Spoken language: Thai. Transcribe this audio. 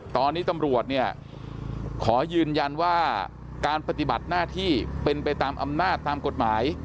ตอนนี้ตำรวจเนี่ยขอยืนยันว่าการปฏิบัติหน้าที่เป็นไปตามอำนาจตามกฎหมาย